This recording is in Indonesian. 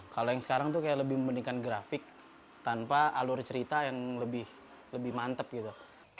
kalau yang sekarang itu lebih membandingkan grafik tanpa alur cerita yang lebih mantep gitu